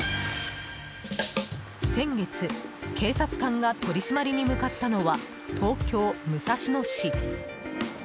先月、警察官が取り締まりに向かったのは東京・武蔵野市。